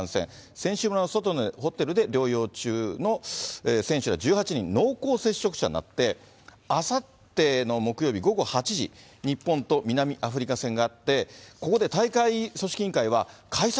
選手村の外のホテルで療養中の選手ら１８人、濃厚接触者になって、あさっての木曜日午後８時、日本と南アフリカ戦があって、ここで大会組織委員会は開催